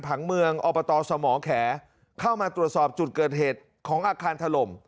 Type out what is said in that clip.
ผังเมืองอบตสมแขเข้ามาตรวจสอบจุดเกิดเหตุของอาคารถล่ม